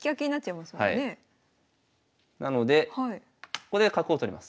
なのでここで角を取ります。